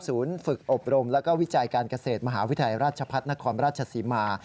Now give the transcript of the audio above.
ฝึกอบรมและวิจัยการเกษตรมหาวิทยาลัยราชพัฒนครราชศรีมา